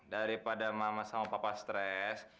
daripada mama sama papa stres